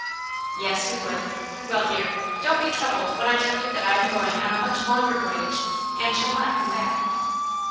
" Yes, you would. Well, dear, don't be troubled when I tell you that I am going on a much longer voyage, and shall not come back."